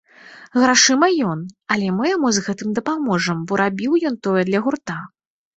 Грашыма ён, але мы яму з гэтым дапаможам, бо рабіў ён тое для гурта.